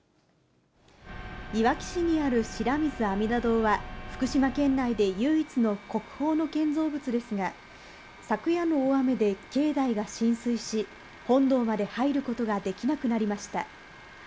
いわき市にある白水阿弥陀堂は、福島県内で唯一の国宝の建造物ですが、昨夜の大雨で境内が浸水し、本堂まで入ることができなくなりました。